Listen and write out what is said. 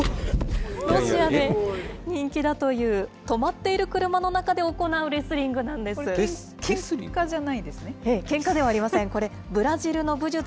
ロシアで人気だという止まっている車の中で行うレスリングなんでこれ、レスリング？